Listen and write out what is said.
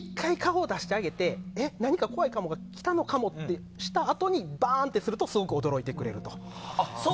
なので、１回顔を出してあげて何か怖いものが来たのかもってしたあとにバーンってするとすごく驚いてくれると。